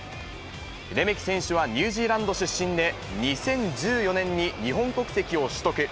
レメキ選手はニュージーランド出身で、２０１４年に日本国籍を取得。